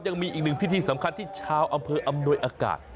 ยังมีอีกหนึ่งพิธีสำคัญที่ชาวอำเภออำนวยอากาศ